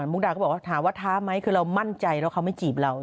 มุกดาก็บอกว่าถามว่าท้าไหมคือเรามั่นใจแล้วเขาไม่จีบเรา